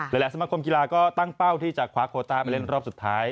สมาคมกีฬาก็ตั้งเป้าที่จะคว้าโคต้าไปเล่นรอบสุดท้าย